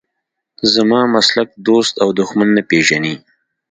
زما مسلک دوست او دښمن نه پېژني.